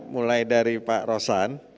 mulai dari pak rosan